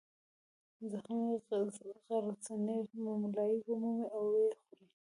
زخمي غرڅنۍ مُملایي ومومي او ویې خوري.